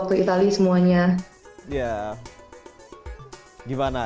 selamat malam waktu itali semuanya